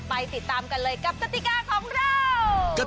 ไปติดตามกันเลยกับกติกาของเรา